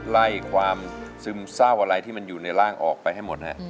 ไล่ความซึมเศร้าอะไรที่มันอยู่ในร่างออกไปให้หมดฮะ